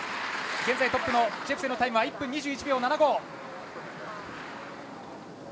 現在トップのジェプセンのタイムは１分２１秒７５。